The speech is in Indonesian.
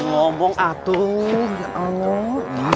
ngomong atu ya allah